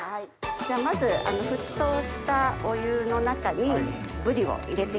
まず沸騰したお湯の中にぶりを入れて行きます。